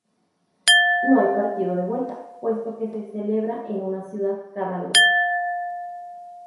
No hay partido de vuelta, puesto que se celebra en una ciudad cada grupo.